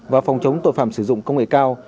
và phòng chống tội phạm sử dụng công nghệ cao